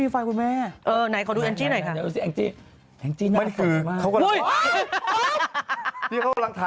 ไฟดับนะขุมมึดกัดนะ